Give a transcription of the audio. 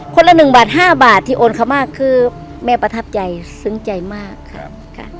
ละหนึ่งบาทห้าบาทที่โอนเขามากคือแม่ประทับใจซึ้งใจมากครับค่ะ